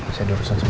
bisa diurusan semua